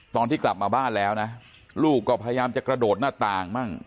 ตอนที่กลับมาบ้านแล้วนะลูกก็พยายามจะกระโดดหน้าต่างมั่ง